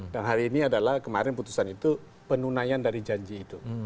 dan hari ini adalah kemarin putusan itu penunaian dari janji itu